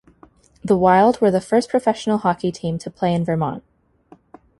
The Wild were the first professional hockey team to play in Vermont.